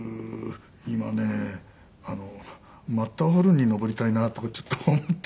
今ねマッターホルンに登りたいなとかちょっと思って。